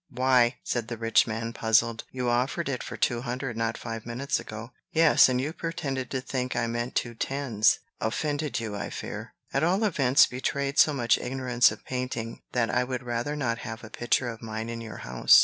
"Why!" said the rich man, puzzled, "you offered it for two hundred, not five minutes ago." "Yes; and you pretended to think I meant two tens." "Offended you, I fear." "At all events, betrayed so much ignorance of painting, that I would rather not have a picture of mine in your house."